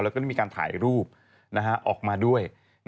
แล้วก็ได้มีการถ่ายรูปออกมาด้วย